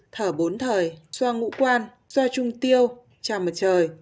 thở bốn thời xoa ngũ quan xoa trung tiêu chào mặt trời